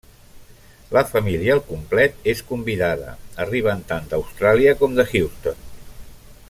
La família al complet és convidada: arriben tant d'Austràlia com de Houston.